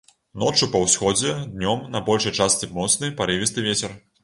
Ноччу па ўсходзе, днём на большай частцы моцны парывісты вецер.